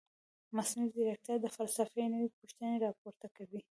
مصنوعي ځیرکتیا د فلسفې نوې پوښتنې راپورته کوي.